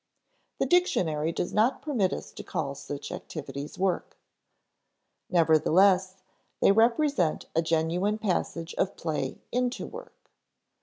The dictionary does not permit us to call such activities work. Nevertheless, they represent a genuine passage of play into work.